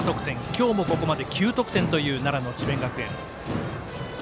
今日もここまで９得点という奈良の智弁学園。